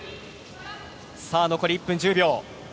さあ、残り１分１０秒。